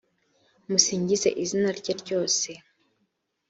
musingize izina rye ryose